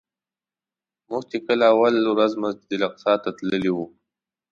موږ چې کله اوله ورځ مسجدالاقصی ته تللي وو.